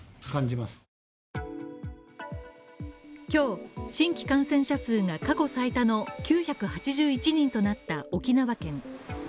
今日、新規感染者数が過去最多の９８１人となった沖縄県。